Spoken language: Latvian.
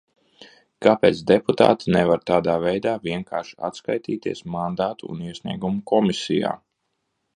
Kāpēc deputāti nevar tādā veidā vienkārši atskaitīties Mandātu un iesniegumu komisijā?